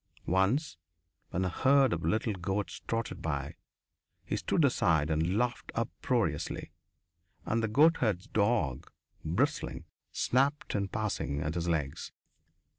Once, when a herd of little goats trotted by, he stood aside and laughed uproariously, and the goatherd's dog, bristling, snapped in passing at his legs.